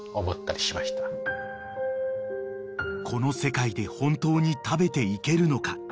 ［この世界で本当に食べていけるのか］